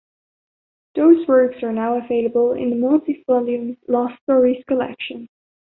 Those works are now available in the multi-volume "Lost Stories" collection.